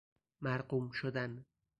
مرقوم شدن